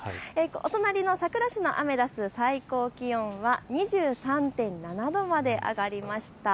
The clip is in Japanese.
お隣の佐倉市のアメダス、最高気温は２３．７度まで上がりました。